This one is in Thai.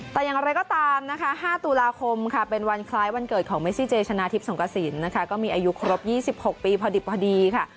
แต่อย่างไรก็ตามนะคะ๕ตุลาคมค่ะเป็นวันคล้ายวันเกิดของเมซิเจชนะทิพย์สงกระสินนะคะก็มีอายุครบ๒๖ปีพอดิบพอดีค่ะ